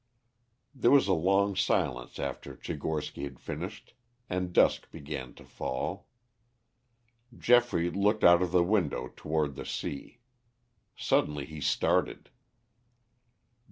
There was a long silence after Tchigorsky had finished and dusk began to fall. Geoffrey looked out of the window toward the sea. Suddenly he started.